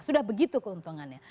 sudah begitu keuntungannya